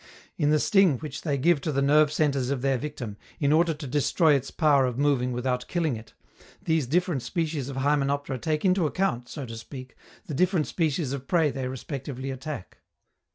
In the sting which they give to the nerve centres of their victim, in order to destroy its power of moving without killing it, these different species of hymenoptera take into account, so to speak, the different species of prey they respectively attack.